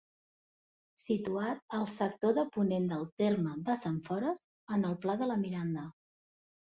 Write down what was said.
Situat al sector de ponent del terme de Sentfores en el pla de la Miranda.